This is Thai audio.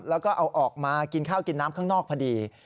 แล้วก็เอาออกมากินข้าวกินน้ำข้างนอกพอดี